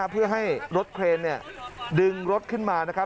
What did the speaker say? เพื่อให้รถเครนดึงรถขึ้นมานะครับ